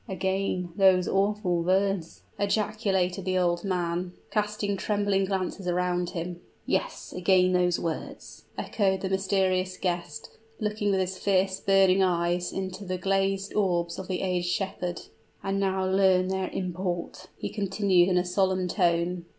"Again these awful words!" ejaculated the old man, casting trembling glances around him. "Yes again those words," echoed the mysterious guest, looking with his fierce burning eyes into the glazed orbs of the aged shepherd. "And now learn their import!" he continued, in a solemn tone.